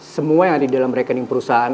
semua yang ada di dalam rekening perusahaan